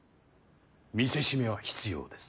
見せしめは必要です。